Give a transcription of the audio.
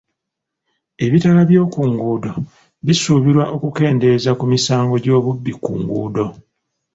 Ebitaala by'oku nguudo bisuubirwa okukendeeza ku misaango gy'obubbi ku nguudo.